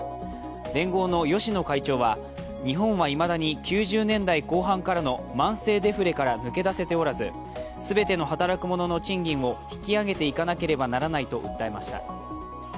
連合の芳野会長は日本はいまだに９０年代後半からの慢性デフレから抜け出せておらず全ての働く者の賃金を引き上げていかなければならないと訴えました。